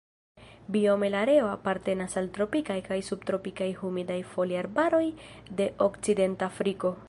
Biome la areo apartenas al tropikaj kaj subtropikaj humidaj foliarbaroj de Okcidentafriko.